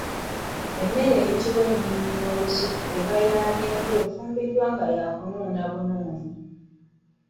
Emmere gye bayita ennuuni y’olusuku eba ya lyenvu erifumbiddwa nga lyakunuuna bunnunyi.